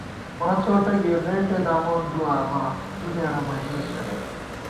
مڅوٹہ گِرنېٹےدامون دُوآبا ، تُو نېڑہ مہ ژېس ژَمېت